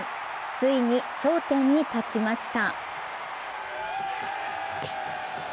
ついに頂点に立ちました。